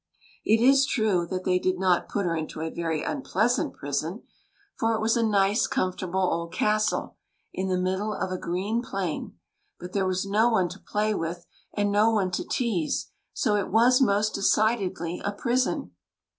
It is true that they did not put her into a very unpleas ant prison, for it was a nice, comfortable old castle, in the middle of a green plain ; but there was no one to play with and no one to tease, so it was most decidedly a prison.